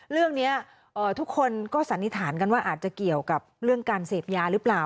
เรื่องนี้ทุกคนก็สันนิษฐานกันว่าอาจจะเกี่ยวกับเรื่องการเสพยาหรือเปล่า